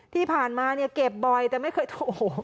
ที่ผ่านมาเก็บบ่อยแต่ไม่เคยโอ้โฮ